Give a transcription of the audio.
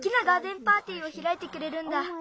ガーデンパーティーをひらいてくれるんだ。